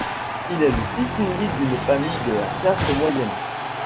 Il est le fils unique d'une famille de la classe moyenne.